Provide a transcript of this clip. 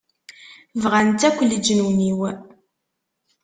Bɣan-tt akk leǧnun-iw.